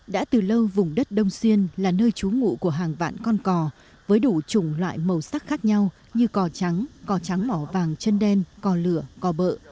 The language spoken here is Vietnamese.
đã từ lâu vùng đất đông xuyên là nơi trú ngụ của hàng vạn con cò với đủ chủng loại màu sắc khác nhau như cò trắng cò trắng mỏ vàng chân đen cò lửa cò bợ